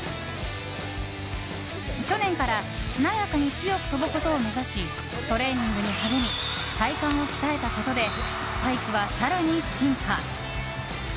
去年からしなやかに強く跳ぶことを目指しトレーニングに励み体幹を鍛えたことでスパイクは更に進化。